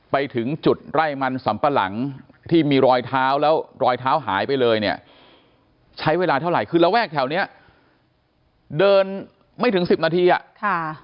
ไปถึงจุดไร่มันสำปะหลังที่มีรอยเท้าแล้วรอยเท้าหายไปเลยเนี่ยใช้เวลาเท่าไหร่คือระแวกแถวเนี้ยเดินไม่ถึงสิบนาทีอ่ะค่ะ